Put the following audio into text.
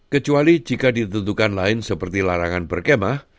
kecuali jika ditentukan lain seperti larangan berkemah